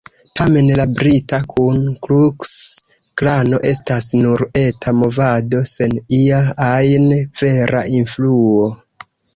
Tamen, la brita Ku-Kluks-Klano estas nur eta movado, sen ia ajn vera influo.